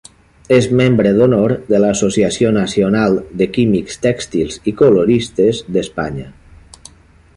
És membre d'honor de l'Associació Nacional de Químics Tèxtils i Coloristes d'Espanya.